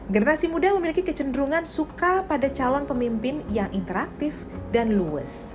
generasi muda memiliki kecenderungan suka pada calon pemimpin yang interaktif dan luwes